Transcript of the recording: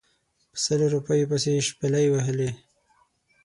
په سلو روپیو پسې شپلۍ وهلې.